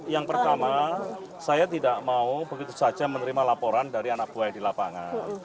yang pertama saya tidak mau begitu saja menerima laporan dari anak buaya di lapangan